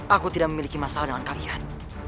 aku tidak memiliki masalah dengan kalian